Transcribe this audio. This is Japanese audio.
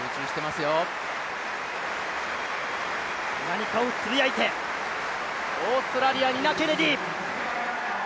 何かをつぶやいてオーストラリア、ニナ・ケネディ。